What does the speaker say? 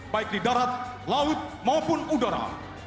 baik di darat laut maupun udara